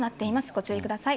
ご注意ください。